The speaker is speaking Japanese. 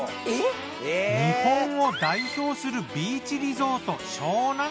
日本を代表するビーチリゾート湘南。